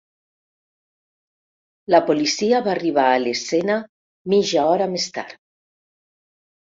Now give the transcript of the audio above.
La policia va arribar a l'escena mitja hora més tard.